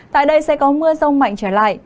tại đây sẽ có mưa rông mạnh trở lại